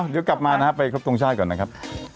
เดี๋ยวกลับมานะครับไปครบทรงชาติก่อนนะครับ